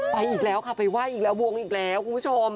อีกแล้วค่ะไปไหว้อีกแล้ววงอีกแล้วคุณผู้ชม